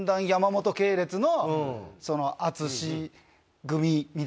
系列の淳組みたいな。